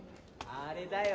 あれだよ